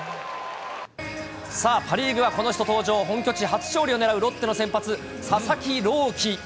さあ、パ・リーグはこの人登場、本拠地初勝利を狙うロッテの先発、佐々木朗希。